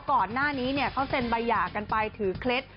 ก่อนหน้านี้เขาเซ็นใบหย่ากันไปถือเคล็ด